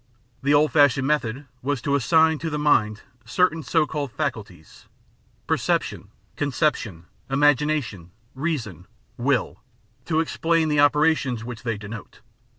The old fashioned method was to assign to the mind certain so called faculties — ^perception, conception, imagination, reason, will — ^to explain the opera tions which they denote.